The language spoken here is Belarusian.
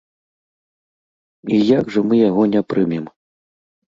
І як жа мы яго не прымем?